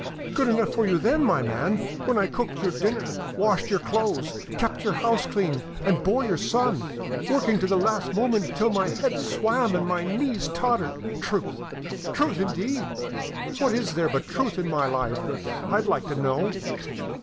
Good enough for you then, my man, when I cooked your dinner, washed your clothes, kept your house clean and bore your son, working to the last moment till my head swam and my knees tottered. Truth! Truth, indeed! What is there but truth in my life, I'd like to know?